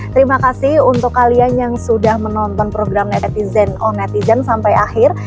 terima kasih untuk kalian yang sudah menonton program netizen oh netizen sampai akhir